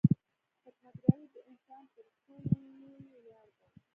• خدمتګاري د انسان تر ټولو لوی ویاړ دی.